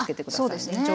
あっそうですね